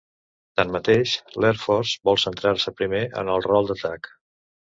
Tanmateix, l'Air Force vol centrar-se primer en el rol d'atac.